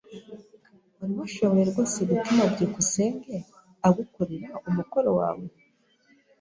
Wari washoboye rwose gutuma byukusenge agukorera umukoro wawe?